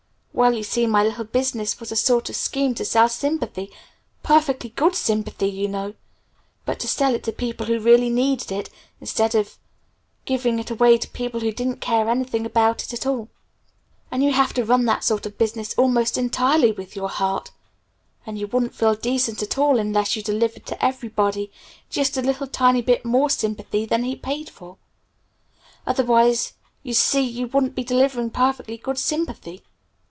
Well, you see my little business was a sort of a scheme to sell sympathy perfectly good sympathy, you know but to sell it to people who really needed it, instead of giving it away to people who didn't care anything about it at all. And you have to run that sort of business almost entirely with your heart and you wouldn't feel decent at all, unless you delivered to everybody just a little tiny bit more sympathy than he paid for. Otherwise, you see you wouldn't be delivering perfectly good sympathy.